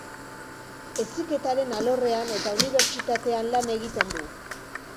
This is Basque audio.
Heziketaren alorrean eta unibertsitatean lan egiten du.